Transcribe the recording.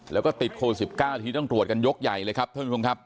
แล้วก็ติดโควิด๑๙ทีต้องตรวจกันยกใหญ่เลยครับท่านผู้ชมครับ